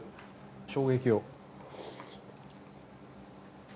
衝撃を。